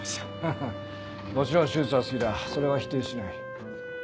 ハハもちろん手術は好きだそれは否定しない。